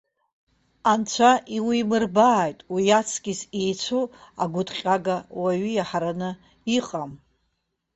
Анцәа иуимырбааит, уи аҵкыс еицәоу агәыҭҟьага уаҩы иаҳараны иҟам!